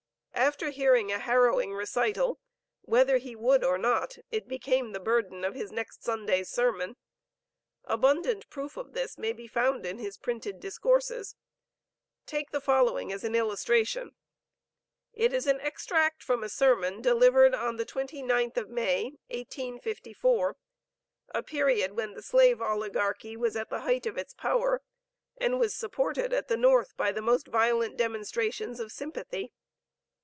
After hearing a harrowing recital, whether he would or not, it became the burden of his next Sunday's sermon. Abundant proof of this may be found in his printed discourses. Take the following as an illustration. It is an extract from a sermon delivered on the 29th of May, 1854, a period when the slave oligarchy was at the height of its power and was supported at the North by the most violent demonstrations of sympathy.